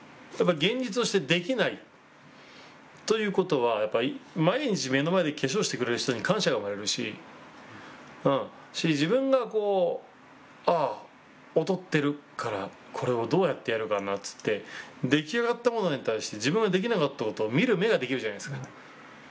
現実を知ってできないということは、やっぱり毎日目の前で化粧してくれる人に感謝が生まれるし、自分がこう、ああ、劣ってるから、これをどうやってやるかなっていって、出来上がったものに対して、自分ができなかったことを見る目ができるじゃないですか。